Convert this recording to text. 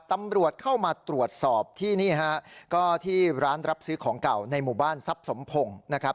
ตำรวจเข้ามาตรวจสอบที่นี่ฮะก็ที่ร้านรับซื้อของเก่าในหมู่บ้านทรัพย์สมพงศ์นะครับ